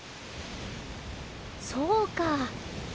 そうか。